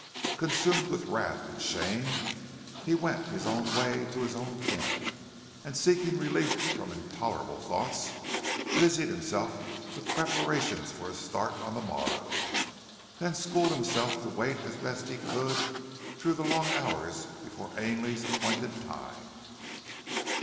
Consumed with wrath and shame he went his way to his own camp, and seeking relief from intolerable thoughts busied himself with preparations for a start on the morrow, then schooled himself to wait as best he could, through the long hours before Ainley's appointed time.